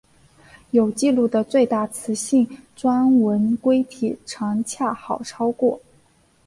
有纪录的最大雌性钻纹龟体长恰好超过。